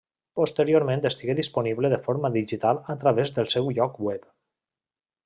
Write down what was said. Posteriorment estigué disponible de forma digital a través del seu lloc web.